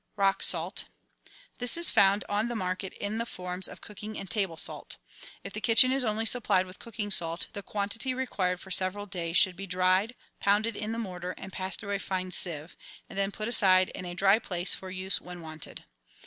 Rock salt. — This is found on the market in the forms of cooking and table salt. If the kitchen is only supplied with cooking salt, the quantity required for several days should be dried, pounded in the mortar, and passed through a fine sieve; and then put aside in a dry place for use when wanted.